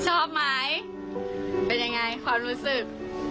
ชอบไหมเป็นยังไงความรู้สึก